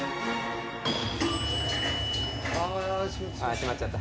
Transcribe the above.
閉まっちゃった。